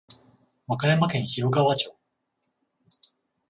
和歌山県広川町